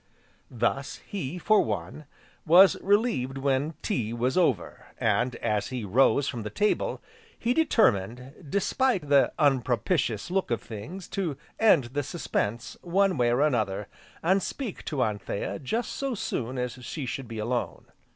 Thus, he, for one, was relieved when tea was over, and, as he rose from the table, he determined, despite the unpropitious look of things, to end the suspense, one way or another, and speak to Anthea just so soon as she should be alone.